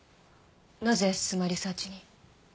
なぜスマ・リサーチに？